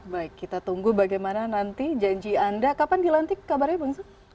baik kita tunggu bagaimana nanti janji anda kapan dilantik kabarnya bung zul